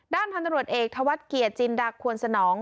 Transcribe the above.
ด้านทำตำรวจเอกทวัตเกียร์จินดักขวนสนอง